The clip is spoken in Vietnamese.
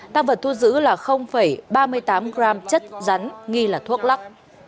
tăng vật thu giữ là ba mươi tám g chất rắn nghi là thuốc lắc